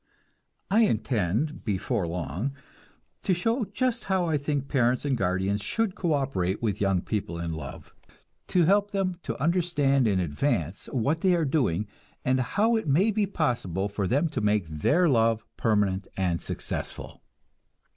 I intend, before long, to show just how I think parents and guardians should co operate with young people in love; to help them to understand in advance what they are doing, and how it may be possible for them to make their love permanent and successful.